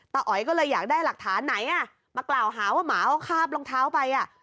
อ๋อยก็เลยอยากได้หลักฐานไหนอ่ะมากล่าวหาว่าหมาเขาคาบรองเท้าไปอ่ะ